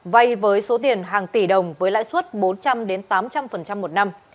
vay với số tiền hàng tỷ đồng với lãi suất bốn trăm linh tám trăm linh một năm